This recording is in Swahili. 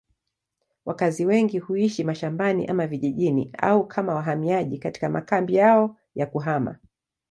Wakazi wengi huishi mashambani ama vijijini au kama wahamiaji katika makambi yao ya kuhama.